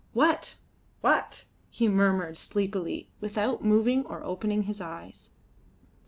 "What? What?" he murmured sleepily, without moving or opening his eyes.